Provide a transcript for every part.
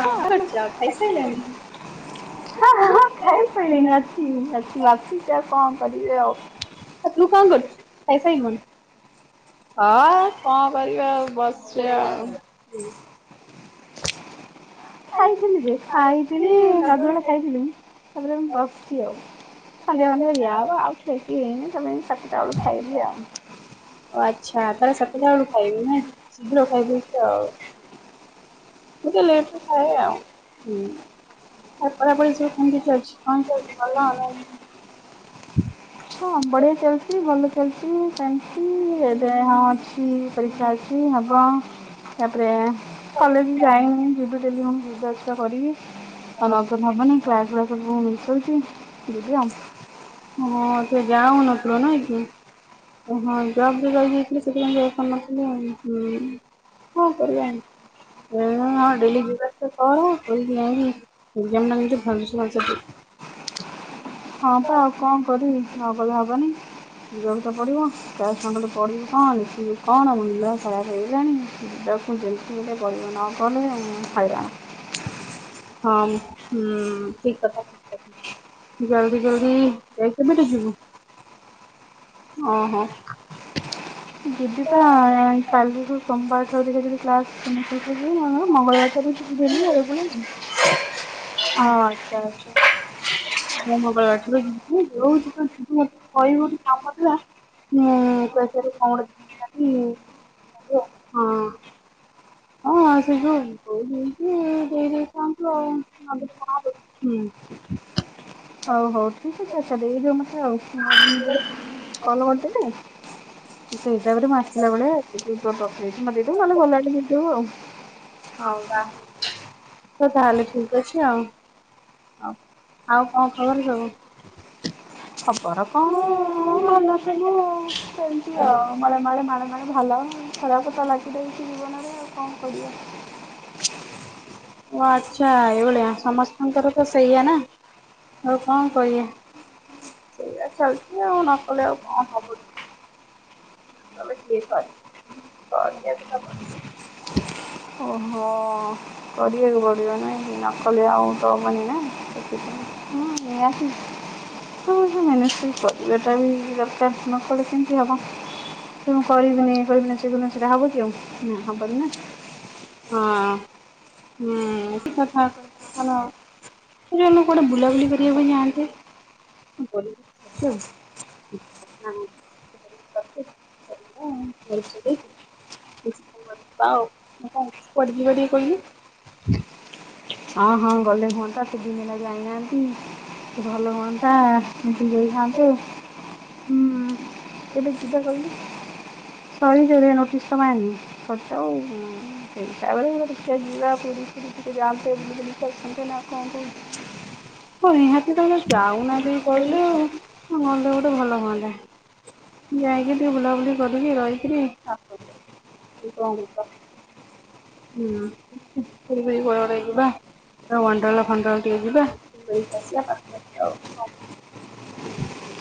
କଣ କରୁଛ ଖାଇସାଇଲଣି? ଆଉ ହଁ ହଁ ହଁ ଖାଇ ସାଇଲିଣି ଅଛି ବାକି [inaudible] ଆଉ କଣ କରିବି ଅଉ। ଆଉ ତୁ କଣ କରୁଛୁ ଖାଇ ସାଇଲୁଣି? ଚି ଆଉ। ଖାଇଥିଲି ଯେ ଖାଇଥିଲି ଗାଧୁଆବେଳେ ଖାଇଥିଲି ତାପରେ ମୁଁ ବସିଚି ଆଉ। ସନ୍ଧ୍ୟା ପଂଧ୍ୟା ଦିଆହବ ଆଉ ଖିଆ ଖି ହେଇନି ତାପରେ ଯାଇକି ସାତଟା ବେଳକୁ ଖାଇବି ଆଉ। ଓ ଆଚ୍ଛା ତାହେଲେ ସାତଟା ବେଳୁ ଖାଇବେ ନାଇଁ ଶୀଘ୍ର ଖାଇଦଉଚ ଆଉ। ମୁଁ ଟିକେ ଲେଟରେ ଖାଏ ଆଉ। ଆ ପଢାପଢି ସବୁ କେମିତି ଚାଲିଛି? କଣ କହୁଚୁ ଭଲ ନା ହଁ ବଢିଆ ଚାଲଚି, ଭଲ ଚାଲଚି ସେମତି ଏବେ ହଁ ଅଛି ପରୀକ୍ଷାଅଛି ହବ ତାପରେ କଲେଜ ବି ଯାଇନି ଯିବି ଡେଲି ମୁଁ ଯିବା ଆସିବା କରିବି ତ ହଁ। ନଗଲେ ହବନି। କ୍ଲାସ ଫ୍ଲାସ ସବୁ ମିସ୍ କରୁଚି ଯିବି ଆଉ। ହଁ ସେ ଯାହଉନଥିଲ ନାଇଁକି? ଓ ହଁ ଯା ଘରେ ରହି ଯାଇଥିଲି ସେଥିପାଇଁ ଯାଇ ପାରୁ ନଥିଲି ଆଉ କଁ କରିବାଆଉ। ଡେଲି ଯିବା ଆସିବା କର ନାଇଁ ଟ ଭାବୁଛ ମ ହଁ ପା ଆଉ କଣ କରିବି ନ ଗଲେ ହବନି ଯିବା କୁ ତ ପଡିବ ତା ସାଙ୍ଗରେ ପୁଣି ପଡଢ଼ିବି କଣ ମିଶିବି କଣ [inaudible] କଣାମିଲ ଖରାପ ହେଇଗଲାଣି ଯିବାକୁ ଫୁଣି ଯେମିତି ହେଲେ ଟିକେ ପଡିବ ନ ଗଲେ ଖଇରାଣ। ହଁ ହୁଁ ଠିକ କଥା ଠିକ କଥା। ଜଲଦି ଜଲଦି ଯାଇ ଥିଲୁକି ଯିବୁ ଓହୋ। ଯିବି ପା କାଲିୁଠୁ ସୋମବାର ଠାରୁ ଦେଖିଆଜିବି ଯଦି କ୍ଲାସ [unintelligible] ଜିବି ନହେଲେନାଇଁ ମଙ୍ଗଳବାର ଠାରୁ ଯିବି ଆଉ [inaudible] ଓ ଆଛା ଆଛା। ହଁ ମଙ୍ଗଳ ଠୁ ଯିବୁ ଯଉଦିନ ଯିବୁ ମତେ କହିବୁ ଗୋଟେ କାମଥିଲା। ମୁଁ କ ହଁ। ହଁ ସେ ଜଉ [inaudible] ଦେଇ ଦେଇଦେଇଥାନ୍ତୁ ଆଉ। ହୁଁ। ହଉ ହଉ ଠିକ୍ ଅଛି ଆଛା ଦେଇ ଏ ଯଉ ମତେ ଆଉ କଲ କରିଦେଲେ ସେଇ ହିସାବରେ ମୁଁ ଆସିଲା ବେଳେ ଏଇଠି କୋଉଠି ରଖିଦେଇଥିବୁ ମତେ ଦେଇଦେବୁ, ନହେଲେ ଗଲାବେଳେ ଦେଇଦବୁ ଆଉ। ହଁ ହଉ ତାହେଲେ। ତାହଲେ ହ ତାହେଲେ ଠିକ ଅଛି ଆଉ। ହଉ ଆଉ କଣ ଖବର ସବୁ? ଖବର କଣ ଭଲସବୁ ସେମିତି ଆଉ। ଓ ମଳେ ମଳେ ମାଳେ ମାଳେ ଭଲ ଖରାପ ତ ଲାଗି ରହିଛି ଜୀବନରେ ଆଉ କଣ କରିବା। ଓ ଆଛା ଏଇଭଳିଆ ସମସ୍ତଙ୍କର ତ ସେଇଆ ନା। ଆଉ କଣ କଇଆ? ସେଇୟା ଚାଲିଛି ଆଉ ନ କଲେ ଆଉ କଣ ହବ କି? ତମେ ଠିକ୍ [unintelligible] ତାକୁ। ଓହୋ। କରିଆକୁ ପଡିବ ନାଇ ନ କଲେ ଆଉ ତ ମାନେ ନା ସେଥିପାଇଁ। ହୁଁ ନିହାତି। ହୁଁ ହୁଁ ମ୍ୟାନେଜଫୁଲ କରିବା ଟା ବି ଦରକାର ନ କଲେ କେମିତି ହବ। ମୁ କରିବିନି ଏ କରିବିନି ସେ କରିବିନି ସେଇଟା ହବ କି ଆଉ ନା ହବନି ନା। ହଁ ହୁଁ ଠିକ୍ କଥା କ [unintelligible] ଏ ଯାଉନୁ କୁଆଡେ ବୁଲା ବୁଲି କରିବାକୁ ଯାଆନ୍ତେ। କଣ କରିବି ଅଛି ଆଉ [unintelligible] [unintelligible] ଏଇ ସବୁ କଥା କହ କୁଆଡେ ଯିବା ଟିକେ କହିଲୁ। ହଁ ହଁ ଗଲେ ହୁଅନ୍ତା କେତେ ଦିନି ହେଲା ଯାଇ ନାହାନ୍ତି। ଭଲ ହୁଅନ୍ତା ମିଶିକି ଯାଇ ଥାନ୍ତେ। ହୁଁ କେବେ ଯିବା କଇଲୁ? ସରିଯାଉ ଦେଖୀଆ ନୋଟିସ ତ ବାହାରିନି ସରିଯାଉ ଉ। କେନ୍ତା ବେଳେ ଦେଖିବା ଯିବା ପୁରୀ ଫୁରି ଟିକେ ଯାଆନ୍ତେ। ଟିକେ ବୁଲି ବୁଲି କି ଆସନ୍ତେ ନା କଣ କହୁଚୁ। ହଁ ନିହାତି ତମେ ତ ଯାଉନ କେଇ କହିଲେ ଆଉ ଗଲେ ଗୋଟେ ଭଲ ହୁଅନ୍ତା। ଯାଇକି ଟିକେ ବୁଲାବୁଲି କରିକି ରହିକିରି ଆସନ୍ତେ କି କଣ କହୁଚ। ହୁଁ [unintelligible] କୁଆଡେ ଗୋଟେ ଯିବା। ଆ ୱାଣ୍ଡେର୍ଲା ଫଣ୍ଡ୍ରେଲା ଟିକେ ଯିବା ବୁଲିକି ଆସିବା ପାଖରେ ତ ଆଉ କ [unintelligible]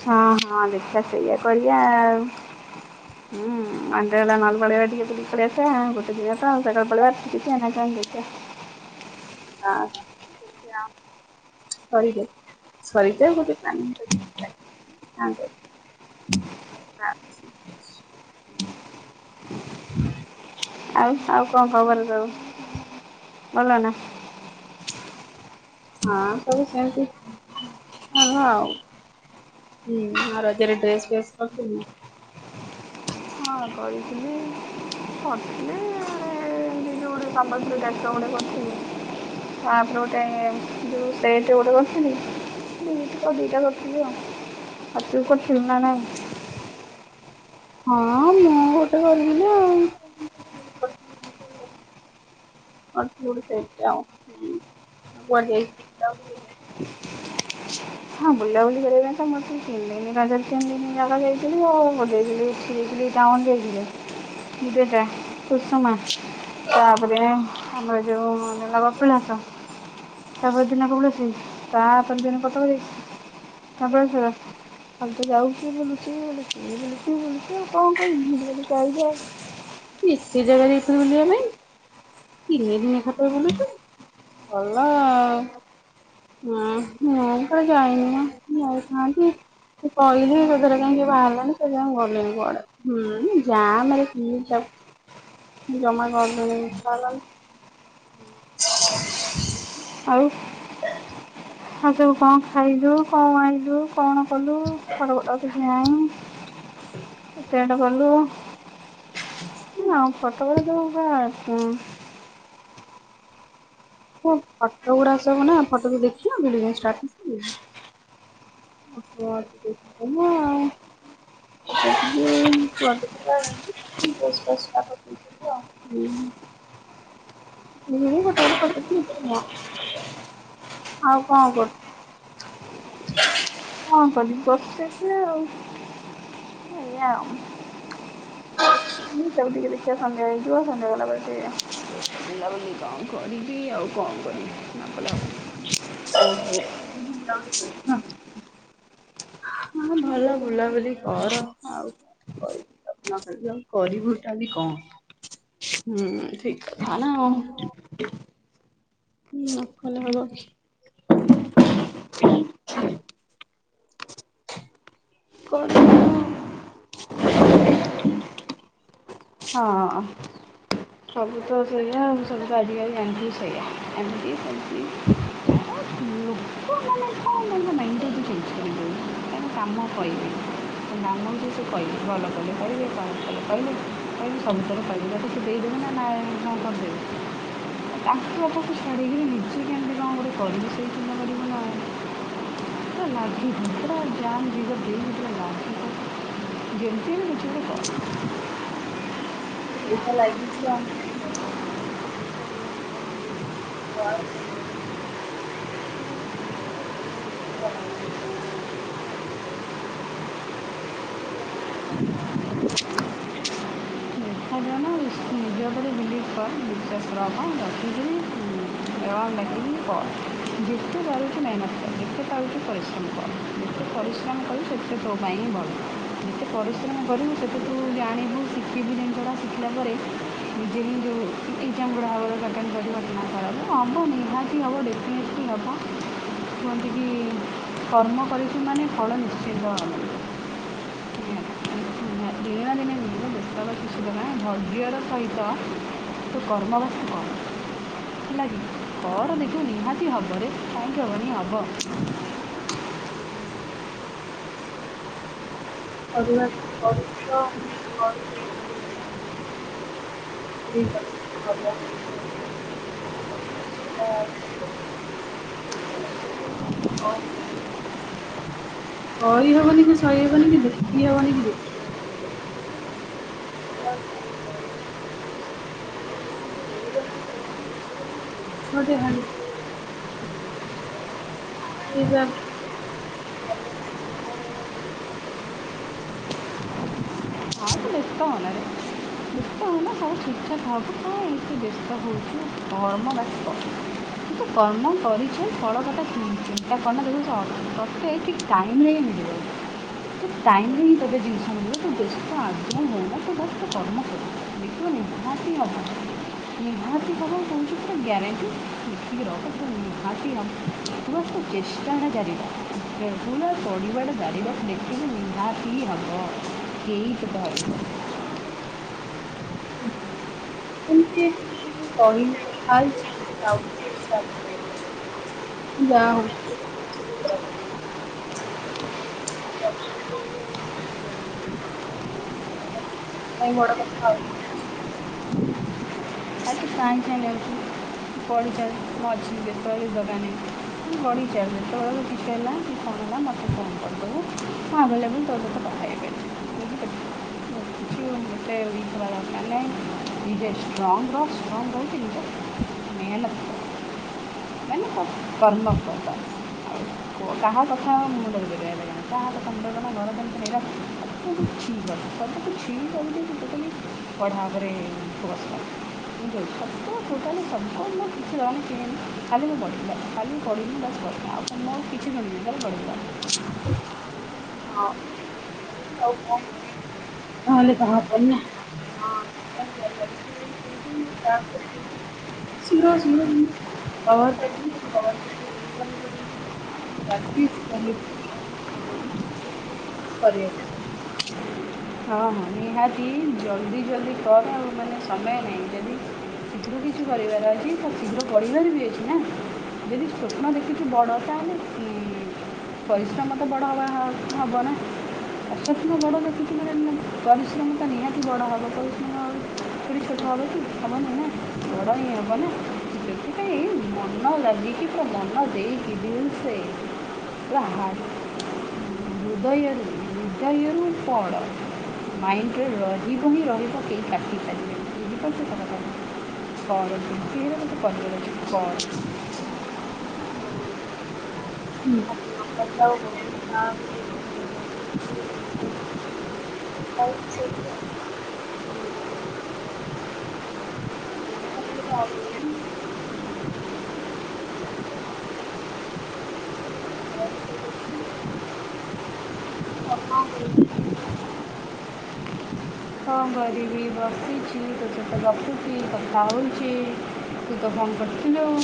ହଁ ହଁ ଦେଖିଆ ସେଇଆ କରିଆ ଆଉ। [inaudible] ହୁଁ ୱାଣ୍ଡେରଲା ନହେଲେ ପଳେଇବା ଟିକେ ବୁଲିକି ପଳେଇ ଆସିଆ ଗୋଟେ ଦିନ ତ ଆଉ ସକାଳୁ ପଳେଇବା ଠିକ୍ ଅଛି ନା କଣ କହୁଚ। ହଁ ଦେଖିଆ। ସରିଯାଉ ସରିଯାଉ ଗୋଟେ ପ୍ଳାନିଂ କରିକି ଯିବା, [unintelligible] ବାଛ ଆଉ ଆଉ କଣ ଖବର ସବୁ ଭଲ ନା? ହଁ ସବୁ ସେମିତି ଭଲ ଆଉ। ହୁଁ ଆଉ ରଜ ରେ ଡ୍ରେସ ଫ୍ରେସ କରିଥିଲୁ ନା। ହଁ କରିଥିଲି କରଥିଲି ଇ ଈ ଇ ସିଏ ଯୋଉ ଗୋଟେ ସମ୍ବଲପୁର ଟାଇପ୍ ର ଗୋଟେ କରିଥିଲି। ତାପରେ ଗୋଟେ ଯୋଉ ସେଟ୍ ଗୋଟେ କରିଥିଲି। [unintelligible] ଦିଟା କରିଥିଲି ଆଉ ତୁ କରିଥିଲୁ ନା ନାହିଁ? ହଁ ମୁଁ ଗୋଟେ କରିଥିଲି ଆଉ। ଅ ଚୁଡ ସେଟ୍ ଟେ ଆଉ [unintelligible] କରିବାକୁ? ହଁ ବୁଲାବୁଲି କରିବା ପାଇଁ ତ ମତେ ତିନି ଦିନି ରଜ ରେ ତିନି ଦିନି ଜାକ ଯାଇ ଥିଲି ଆଉ ଗୋଟେ ଯାଇଥିଲି [unintelligible] ଟାଉନ୍ ଯାଇଥିଲି। ବିରଜା, କୁସୁମା। ତାପରେ ଆମର ଯୋଉ ହେଲା କପିଳାସ। ତାପର ଦିନ [unintelligible] ତାପର ଦିନ କଟକ ଯାଇ ଧବଳେଶ୍ଵର ଖାଲି ତ ଯାଉଚି ବୁଲୁଚି ବୁଲୁଚି। ଏଇ ବୁଲୁଚି ବୁଲୁଚି ଆଉ କଁ [unintelligible] ତୁ ଏତେ ଜାଗା ଯାଇଥିଲୁ ବୁଲିଆ ପାଇଁ। ତିନି ଦିନି ଏକା ଥରେ ବୁଲୁଚୁ ଭଲ ଆଉ। ହଁ ମୁ କୁଆଡେ ଯାଇନି ମ ଯାଇଥାନ୍ତି। ମୁଁ କହିଲି ଏଥର କାହିଁ କିଏ ବାହାରିଲେନି ସେଥି ପାଇଁ ଗଲିନି କୁଆଡେ। ହୁଁ ଯାମ ରେ କିଏ ଯାଉଚି। ଜମା ଗଲିନି ଇଚ୍ଛା ହେଲାନି। ଆଉ ଆଉ ସବୁ କଣ ଖାଇଲୁ କଣ ଆଇଲୁ କଣ କଲୁ [unintelligible] ମ୍ୟାମ୍ କେତେ ବାଟ ଗଲୁ? [inaudible] ନା ଆଉ। ସତକଥା ସବୁ ପା ଉଁ ହଁ ଫଟୋ ଗୁଡା ସବୁ ନା ଫଟୋ କୁ ଦେଖି ନଥିଲୁ ନା ଷ୍ଟାଟସ ପକେଇଚି? [unintelligible] [unintelligible] ଦେଖିବ? ମୁଁ ଗୋଟେ ଗୋଟେ ପଖେଇଥିଲି ବେଶୀ ନୁହଁ। ଆଉ କଣ କରୁଛୁ? କଣ କରିବି ବସିଛି ଆଉ ଏଇଆ ଆଉ। [inaudible] ମୁଁ ତାକୁ ଟିକେ ଦେଖିବା ସନ୍ଧ୍ୟା ହେଇଯିବ ସନ୍ଧ୍ୟା ହେଲା ପରେ ଟିକେ ବୁଲା ବୁଲି କଣ। କରିବି ଆଉ କଣ କରିବି। ଓହୋ। [inaudible] ହଁ ଭଲ ବୁଲାବୁଲି କର ଆଉ [inaudible] କରିବୁଟା ବି କଣ? ହୁଁ ଠିକ କଥାନା ଆଉ। ନ କଲେ ହବ କି? [inaudible] କଣ? ହଁ। ସବୁ ତ ସେଇଆ ଆଉ ସବୁ ତ ଆଜିକାଲି ଜାଣିଥିବୁ ସେଇଆ ଏମିତି ସେମିତି। [inaudible] ତମେ କଣ ପାଇଁ ମାଇଣ୍ଡଟାକୁ ଏତେ ଟେନସନ ଦଉଛ? ତାଙ୍କ କାମ କହିବେ [inaudible] ଭଲ କଲେ କହିବେ ଖରାପ କଲେ କହିଲେ। ସେ ସବୁଥିରେ କହିବେ ତତେ ସେ ଦେଇଦେବେ ନା କଣ କରିଦେବେ? ତାଙ୍କୁ [unintelligible] ଛାଡ଼ିକି ନିଜେ କେମିତି କଣ ଗୋଟେ କରିବୁ ସେଇ ଚିନ୍ତା କରିବୁ ନା ଆଉ। ମତେ [inaudible] ସେଇଟା ମ୍ଯାମ୍ ଯୋଉଟା ଦେଇଛନ୍ତି ସେଇଟା ଲାଗିକି, ଯେମିତି ହେଲେ କିଛି ଗୋଟେ କର୍। ସେଇତ ଲାଗିଛି ଆଉ, [inaudible] ଦେଖା ଯାଉ କଣ ହଉଛି [inaudible] କର ଦେଖାଯାଉନା ନିଜ ଉପରେ ବିଲିଭ୍ କର ବିଶ୍ବାସ ରଖ [inaudible] କର ଯେତେ ପାରୁଛୁ ମେହେନତ କର ଯେତେ ପାରୁଛୁ ପରିଶ୍ରମ କର ଯେତେ ପରିଶ୍ରମ କଲୁ ସେ ତେ ତୋ ପାଇଁ ହିଁ ଭଲ ଯେତେ ପରିଶ୍ରମ କରିବୁ ସେତେ ତୁ ଜାଣିବୁ ଶିଖିବୁ ଜିନିଷଟା ଶିଖିଲା ପରେ ନିଜେ ହିଁ ଯୋଉ ଏକ୍ଜାମ୍ ଗୁଡ଼ା ହବ ତାକୁ ଆଟେଣ୍ଡ୍ କରିବା ଦରକାର ହବ ନିହାତି ହବ ଡେଫିନାଇଟଲି ହବ। କୁହନ୍ତି କି କର୍ମ କରିଛୁ ମାନେ ଫଳ ନିଶ୍ଚିନ୍ତ ମିଳିବ। ଦିନେ ନା ଦିନେ ମିଳିବ। ବ୍ୟସ୍ତ ହେବା କିଛି ତ ନାହିଁ ଧର୍ଯ୍ୟର ସହିତ ତୁ କର୍ମବାକି କର। ହେଲା କି ପଢ଼ ଦେଖିବୁ ନିହାତି ହବରେ କାହିଁକି ହବନି ହବ। ପଢିବା ପଡ଼ ଠିକ ଅ କହି ହବନି କି ସହି ହବନି କି ଦେଖି ହବନି କି ଦେଖ୍ ଆଉ କଣ କହ। ହେଇଗଲା [unintelligible] ଏକ୍ଜାମ୍ ଆଉ ତୁ ବ୍ୟସ୍ତ ହ ନାରେ। ହଉ ଠିକ ଠାକ ହବ ତୁ ଏମିତି ବ୍ୟସ୍ତ ହେଉଛୁ କର୍ମ ବାକି କର। ତୁ ତ କର୍ମ କରି ଫଳକଥା କିଛି ଚିନ୍ତା କରନା ଦେଖିବୁ ତତେ ଠିକ୍ ଟାଇମ୍ ରେ ହିଁ ହେଇଯିବ। ଠିକ୍ ଟାଇମ୍ ରେ ହିଁ ତତେ ଜିନିଷ ମିଳିବ, ତୁ ବ୍ୟସ୍ତ ଆଦୌ ହନା ତୁ [unintelligible] ତୋ କର୍ମ କର୍। ଦେଖିବୁ ନିହାତି [inaudible] ନିହାତି ହବ କହୁଚି ପୁରା ଗ୍ୟାରେଣ୍ଟି, ଲେଖିକି ରଖ [unintelligible] ନିହାତି ହବ। [inaudible] ତି ହବ କେହି ତତେ [unintelligible] ଉଁ [inaudible] ଯା ହଉ। [unintelligible] ବଡ କ [inaudible] ପଢିଚାଲେ ଯେତେବଳେ କିଛି ହେଲା କି କଣ ହେଲା ମତେ ଫୋନ୍ କରିଦବୁ। ହଁ ଭଲ ତୋ [unintelligible] [unintelligible] ଏତେ ୱିକ୍ ହବା ଦରକାର୍ ନାହିଁ ନିଜେ ଷ୍ଟ୍ରଙ୍ଗ ରହ। [unintelligible] ମେହେନତ୍ କର୍। ମାନେ [unintelligible] କର୍ମ କର ବାସ୍। କାହା କଥା ମୁଣ୍ଡରେ ପୁରେଇବା ଦରକାର୍ ନାହିଁ, କାହା କଥା ମୁଣ୍ଡରେ ପୁରାନା [unintelligible] ସବୁ କୁ ଛି କରିଦେ, ସବୁ କୁ ଛି କରିଦେଇକି ଟୋଟାଲି ପଢ଼ା ଉପରେ ଫୋକସ୍ କର୍। [inaudible] [inaudible] [unintelligible] ନହେଲେ ତ ହବନି। ହଁ। [inaudible] [inaudible] କରିବ ହଁ-ହଁ ନିହାତି ଜଲ୍ଦି-ଜଲ୍ଦି ପଢ଼ ଆଉ ମାନେ ସମୟ ନାହିଁ ଯଦି ଶୀଘ୍ର କିଛି କରିବାର ଅଛି ତ ଶୀଘ୍ର ପଢିବାର ବି ଅଛି ନା। ଯଦି ସ୍ୱପ୍ନ ଦେଖିଚୁ ବଡ ତାହେଲେ ଉଁ ପରିଶ୍ରମ ତ ବଡ ହବା ହବ ନା [unintelligible] ବଡ ହବ କି? ପରିଶ୍ରମ ତ ନିହାତି [inaudible] ସେଥିପାଇଁ ମନ ଲାଗିକି ପୁରା ମନ ଦେଇକି ଦିଲ୍ ସେ ପୁରା ହୃଦୟରୁ-ହୃଦୟରୁ ପଡ। ମାଇଣ୍ଡରେ ରହିବ ହିଁ ରହିବ କେହି କାଟିପାରିବେନି, ବୁଝିପାରୁଚୁ ତ କଥାଟା? ପଢ଼ ଯେତିକି ହେଲେ ତେତେ ପଢ଼ିବାର ଅଛି ପଢ଼। ହଁ [unintelligible] [inaudible] ଆଉ ସେ [inaudible] [inaudible] ଆଉ କଣ [unintelligible] କଣ କରିବି ବସିଚି ତୋ ସହିତ ଗପୁ ଚି କଥା ହଉଚି ତୁ ତ ଫୋନ୍ କର୍ଚୁ ଯୋଉ।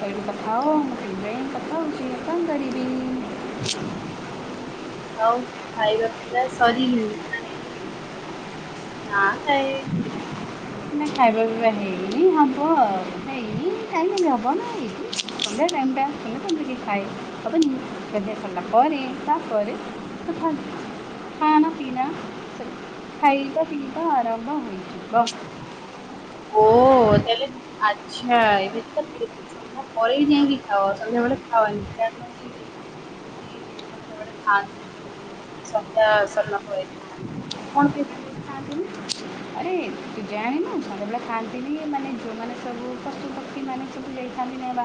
କହିଲୁ କଥା ହ, ମୁଁ ସେଇଥିପାଇଁ କଥା ହଉଚି ଆଉ କଣ କରିବି। ଆଉ ଖାଇବା ପିିଇବା ସରିନି? ନାଁ [unintelligible] ନା ଖାଇବା ପିଇବା ହେଇନି ହବ ଆଉ, ହେଇନି ଟାଇମ୍ ହେଲେ [unintelligible] ସନ୍ଧ୍ୟା ଟାଇମ୍ ଟା ସନ୍ଧ୍ୟା ଟାଇମ୍ ରେ କିଏ ଖାଏ, ହବନି ସନ୍ଧ୍ୟା ସାରିଲା ପରେ ତା ପରେ। [inaudible] ଖାନା ପିନା ସେ ଖାଇବା ପିଇବା ଆରମ୍ଭ ହୋଇଯିବ। ଓ ତାହେଲେ ଆଚ୍ଛା ଏମିତି କଥା କି ତମେ ସନ୍ଧ୍ୟା ପରେ ଯାଇକି ଖାଅ ସନ୍ଧ୍ୟାବେଳେ ଖାଅନି [unintelligible] [unintelligible] ସନ୍ଧ୍ୟାବେଳେ ଖାଆନ୍ତି ସନ୍ଧ୍ୟା ସାରିଲା ପରେ ଖାଆନ୍ତି କଣ ପାଇଁ [unintelligible] ଆରେ ତୁ ଜାଣିନୁ ସନ୍ଧ୍ୟାବେଳେ ଖାଆନ୍ତିନି ମାନେ ଜଉମାନେ ସବୁ ପଶୁପକ୍ଷୀ ମାନେ ସବୁ ଯାଇଥାନ୍ତି ନା ବା